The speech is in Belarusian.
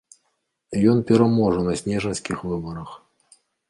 Ён пераможа на снежаньскіх выбарах.